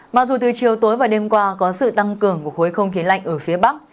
mặc dù từ chiều tối và đêm qua có sự tăng cường của khối không khí lạnh ở phía bắc